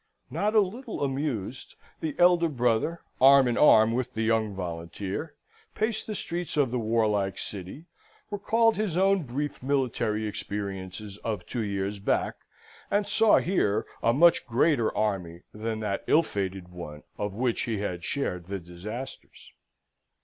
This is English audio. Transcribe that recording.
Not a little amused, the elder brother, arm in arm with the young volunteer, paced the streets of the warlike city, recalled his own brief military experiences of two years back, and saw here a much greater army than that ill fated one of which he had shared the disasters.